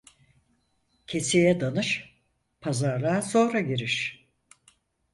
Keseye danış, pazarlığa sonra giriş.